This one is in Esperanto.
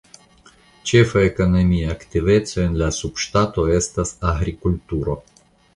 La ĉefa ekonomia aktiveco en la subŝtato estas agrikulturo.